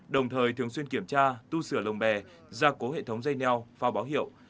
đồng thời thường xuyên kiểm tra tu sửa lồng bè gia cố hệ thống dây neo phao báo hiệu